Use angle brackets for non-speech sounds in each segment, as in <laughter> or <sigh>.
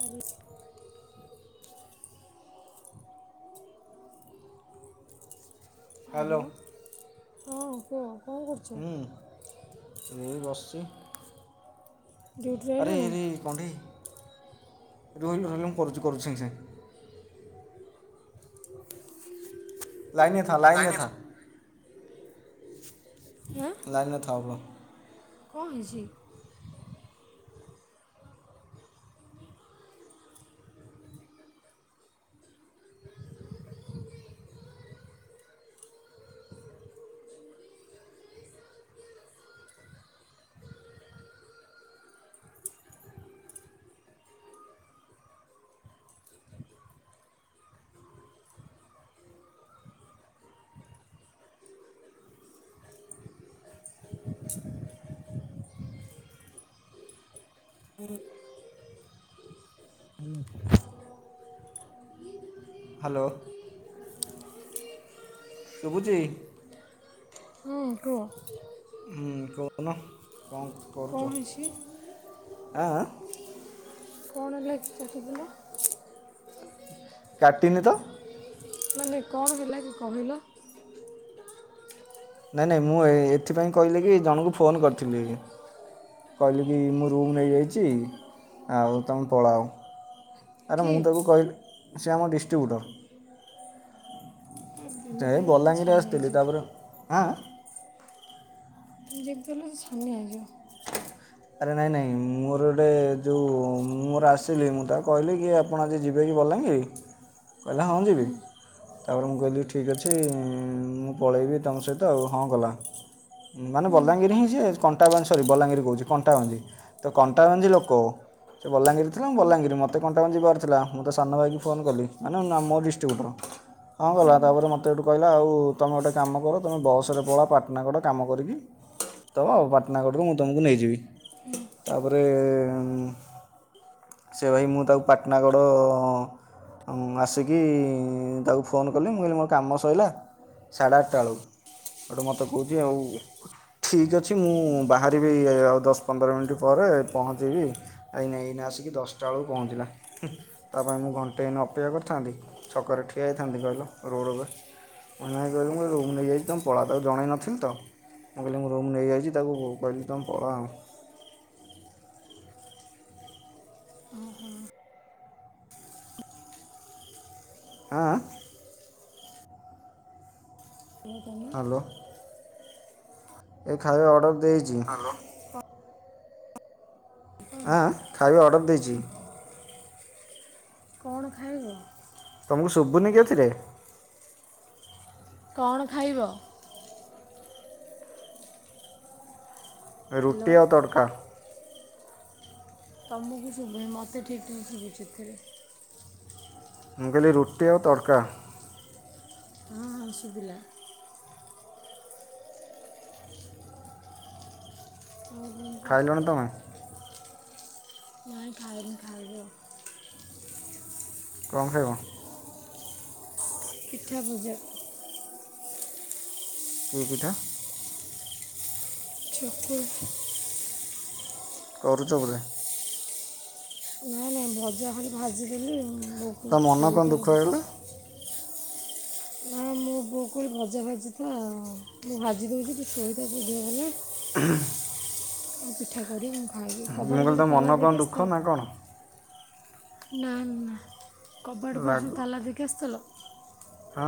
Hello. Hello ହଁ କୁହ? କ'ଣ କରୁଛ ହୁଁ ଏଇ ବସିଛି। ଡ୍ୟୁଟିରେ ଆରେ ଆଇଲଣି ଆରେ କଣ୍ଢେଇ ରହିଲୁ ରହିଲୁ ମୁଁ କରୁଛି କରୁଛି ସାଙ୍ଗେ ସାଙ୍ଗେ। ଲାଇନରେ ଥା ଲାଇନ ଲାଇନରେ ଥା ଆଁ ଲାଇନରେ ଥାଉ ରୁୁହ। କଣ ହେଇଛି? ହୁଁ। ହ୍ୟାଲୋ। ଶୁଭୁଛି? ହଁ କୁହ? ହୁଁ କହୁନ ଙ୍କ କ'ଣ କରୁଚ ହେଇଛି ଆ ଆ କଣ ଲେଖି ଥିବିଲ? କାଟିନି ତ। ମାନେ କଣ ହେଲା କି କହିଲ। ନାଇ ନାଇ ମୁଁ ଏ ଏଥିପାଇଁ କହିଲି କି ଜଣଙ୍କୁ ଫୋନ କରିଥିଲି। କହିଲି କି ମୁଁ ରୁମ୍ ନେଇଯାଇଚି ଆଉ ତମେ ପଳାଅ। ଆରେ କି ମୁଁ ତାକୁ କହିଲି ସେ ଆମ ଡିଷ୍ଟ୍ରିବ୍ୟୁଟର। ଏମିତି ଏଇ ହେଲେ ମୁଁ ବଲାଙ୍ଗୀର ଛାନିଆ ଆସିଥିଲି ହେଇଯିବ ତାପରେ ଆଁ ଆ ତମେ ଯେକ୍ ଦେଲ ସେ ଛାନିଆ ହେଇଯିବ। ଆରେ ନାଇ ନାଇ ମୋର ଗୋଟେ ଯଉଁ ମୋର ଆସିଲି ମୁଁ ତା କହିଲି କି ଆପ୍ ପଣ ଆଜି ଯିବେକି ବଲାଙ୍ଗିର କହିଲା ହଁ ଯିବି। ତାପରେ ମୁଁ କହିଲି ଠିକ୍ ଅଛି ମୁଁ ପଳେଇବି ତମ ସହିତ ଆଉ ହଁ କଲା। ମାନେ ବଲାଙ୍ଗୀରି ହିଁ ସେ କଣ୍ଟାବାନସରି ବଲାଙ୍ଗୀରି କହୁଚି। କଣ୍ଟାଭଞ୍ଜି ତ କଣ୍ଟାଭଞ୍ଜି ଲୋକ ସେ ବଲାଙ୍ଗୀର ଥିଲା ବଲାଙ୍ଗୀର ମୋତେ କଣ୍ଟା କଣ ଯିବାର ଥିଲା ମୁଁ ତ ସାନ ଭାଇକି ଫୋନ କଲି ମାନେ ନା ମୋ ଡିଷ୍ଟ୍ରିବ୍ୟୁଟର। ହଁ କଲା ତାପରେ ମୋତେ ଏଠୁ କହିଲା ଆଉ ତୁମେ ଗୋଟେ କାମ କର ତୁମେ ବସ୍ ରେ ପଳା ପାଟନାଗଡ କାମ କରିକି। ତ ଆଉ ପାଟନା କଡ଼ରୁ ମୁଁ ତୁମକୁ ନେଇଯିବି ତାପରେ ସେ ଭାଇ ମୁଁ ତାକୁ ପାଟନାଗଡ଼ ଅଉଁ ଆସିକି ତାକୁ ଫୋନ୍ କଲି ମୁଁ କହିଲି ମୋ କାମ ସଇଲା। ସାଢେ ଆଟା ବେଳୁ। ହେଟୁ ମୋତେ କହୁଚି ଆଉ ଠିକ୍ ଅଛି ମୁଁ ବାହାରିବି ଆଉ ଦଶ ପନ୍ଦର ମିଣ୍ଟି ପରେ ପହଞ୍ଚିବି ଆଇ ନେଇନା ଆସିକି ଦଶଟା ବେଳକୁ ପହଞ୍ଚିଲା ହୁଁ। ତା ପାଇଁ ମୁଁ ଘଣ୍ଟେ ଏଇନେ ଅପେକ୍ଷା କରିଥାନ୍ତି ଛକରେ ଠିଆ ହେଇଥାନ୍ତି କହିଲ ରୋଡ଼ ଉପରେ। ମ ନାହିଁ କହିଲେ ମୁ ରୁମ୍ ନେଇଯାଇଚି ତମ ପଳା ତାକୁ ଜଣେଇ ନଥିଲି ତ। ମୁଁ କହିଲି ମୁଁ ରୁମ୍ ନେଇଯାଇଚି ତାକୁ କହିଲି ତମେ ପଳା ଆଉ। ଓହୋ। ଆଁ ଆ ଏ ହୋ ତମ ହ୍ୟାଲୋ ଏ ଖାଇବା ଅର୍ଡ଼ର ଦେଇଚି। ଲୋ। ଆଁ ଖାଇବା ଅର୍ଡ଼ର ଦେଇଚି। କଣ ଖାଇବ? ତୁମକୁ ଶୁଭୁନି କି ଏଥିରେ? କଣ ଖାଇବ? ହ୍ୟାଲୋ ରୁଟି ଆଉ ତଡ଼କା। ତମକୁ ଶୁଭୁନି ମୋତେ ଠିକ୍ ଠାକ୍ ଶୁଭୁଚି ଏଥିରେ। ମୁଁ କହିଲି ରୁଟି ଆଉ ତଡ଼କା। ହଁ ହଁ ଶୁବିଲା। ଓ ହୋ ହୋ। ଖାଇଲଣି ତୁମେ ନାଇଁ ଖାଇନି ଖାଇବି ଆଉ। ଙ୍କ ଖାଇବ? ପିଠା ଭୁଜା। କି ପିଠା? ଚୁକୁଳି। କରୁଚ ବୋଧେ। ନାଇଁ ନାଇଁ ଭଜା ଖାଲି ଭାଜିଦେଲି ତୋ ମନ କ'ଣ ଦୁଃଖ <unintelligible> ହେଇଗଲା ନାଇଁ ମୋ ପୁଅ କହିଲେ ଭଜା <unintelligible> ମୁଁ ଭାଜି ଦେଉଛି ତୁ ଶୋଇଥାଛୁ ଦିଅ ଭଲ ନାଇଁ। ହୁଁ। ଆଉ ପିଠା କରିବି ମୁଁ ଖାଇବି ମୁଁ କବାଟ କହିଲି ଘରେ ତୋ ମନ ତାଲା କ'ଣ ଦେଇକି ଦୁଃଖ ଆସିଥିଲ? ନା କ'ଣ ନା ନା କବାଟ ଫବାଟ ସବୁ ଲାଗୁ ତାଲା ଦେଇକି ଆସିଥିଲ? ହଁ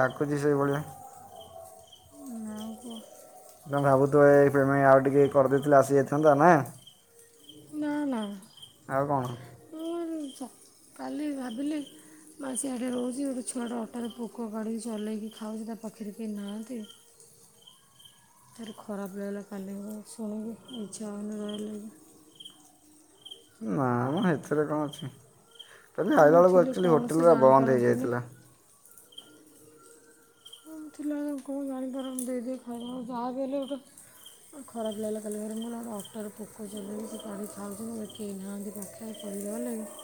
ଲାଗୁଛି ସେଇଭଳିଆ। ନା କୁହ। ତେ ଭାବୁଥିବ ଏଇ ପେମେ ଆଉ ଟିକେ କରିଦେଇଥିଲେ ଆସିଯାଇଥାନ୍ତା ନା। ନା ନା। ଆଉ କଣ? ଉ ହୁଁ <unintelligible> କାଲି ଭାବିଲି ମା ସିଆଡେ ରହୁଛି ଗୋଟେ ଛୁଆଟା ଅଟାରେ ପୋକ କାଢ଼ିକି ଚଲେଇକି ଖାଉଛି ତା ପାଖରେ କେହି ନାହାଁନ୍ତି। ଭାରି ଖରାପ ଲାଗିଲା କାଲି ଶୁଣିକି ଇଚ୍ଛା ହଉନି ରହିବାକୁ। ନା ମୁଁ ଏଥିରେ କଣ ଅଛି କାଲି ଆଇଲା ମୁଁ ବେଳକୁ ଥିଲେ ଆକ୍ଚୁଆଲି କ'ଣ ସେ ହୋଟେଲ ବନ୍ଦ ଜାଣିପାରନ୍ତିନି ହେଇଯାଇଥିଲା। ମୁଁ ଥିଲା କଣ ଜାଣିପାର ଦେଇଦି ଖାଇଦବ ଯାହା ବି ହେଲେ ଗୋଟେ ଆଉ ଖରାପ ଲାଗିଲା କାଲି ଭାରି ମୁଁ କହିଲି ଅଟାରେ ପୋକ ଚଲେଇ ସେ କାଢ଼ି ଖାଉଛନ୍ତି କେହି ନାହାନ୍ତି ପାଖ୍ ଏ କରି ଦବା ଲାଗି।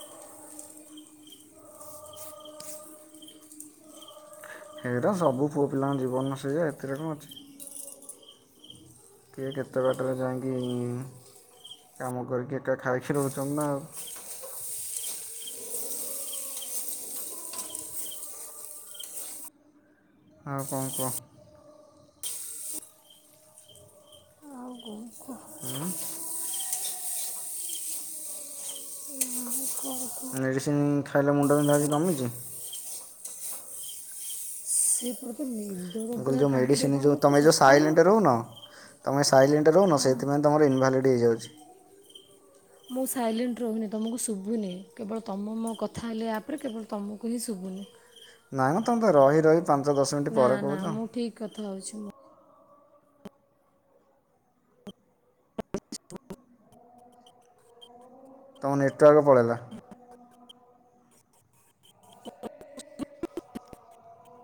ହେଇଟା ସବୁ ପୁଅ ପିଲାଙ୍କ ଜୀବନ ସେଇଆ ଏଥିରେ କଣ ଅଛି। କିଏ କେତେ ବାଟରେ ଯାଇକି କାମ କରିକି ଏକା ଖାଇକି ରହୁଛନ୍ତି ନାଉ। ଆଉ କଣ କୁହ? ଆଉ କଣ କୁ ହୁଁ। <inaudible> ମେଡ଼ିସିନ ଖାଇଲ ମୁଣ୍ଡ ବିନ୍ଧା ଆଜି କମିଛି? ସେ ପୁରା ନି ମୁଁ କହିଲି ଯୋଉ ମେଡ଼ିସିନ ଯୋଉ ତମେ ଯୋଉ ସାଇଲେଣ୍ଟ ରହୁନ ତୁମେ ସାଇଲେଣ୍ଟ ରହୁନ ହଁ ସେଥିପାଇଁ ତମର ଇନ୍ଭାଲିଡ ହୋଇଯାଉଛି। ମୁଁ ସାଇଲେଣ୍ଟ ରହୁନି ତୁମକୁ ଶୁଭୁନି କେବଳ ତୁମ ମୋ କଥା ହେଲେ ଆପ୍ ରେ କେବଳ ତୁମକୁ ହିଁ ଶୁଭୁନି। ନାଇଁ ନା ତମେ ତ ରହି ରହି ପାଞ୍ଚ ଦଶ ମିନିଟ୍ ନା ପରେ ନା କହୁଛ। ମୁଁ ଠିକ୍ କଥା ହଉଛି। ତୁମ ନେଟୱାର୍କ ପଳେଇଲା।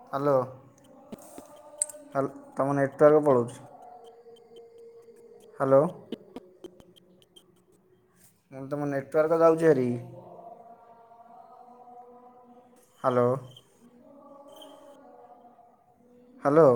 ହ୍ୟାଲୋ ହାଲ ତମ ନେଟୱାର୍କ ପଳଉଛି। ହ୍ୟାଲୋ। ମୁଁ ତମ ନେଟୱାର୍କ ଯାଉଛି ଭାରି। ହ୍ୟାଲୋ। ହ୍ୟାଲୋ।